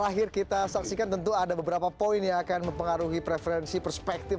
terakhir kita saksikan tentu ada beberapa poin yang akan mempengaruhi preferensi perspektif